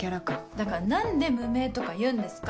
だから何で「無名」とか言うんですか！